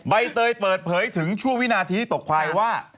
ใบเตยเปิดเผยถึงชั่ววินาทีตกควายว่า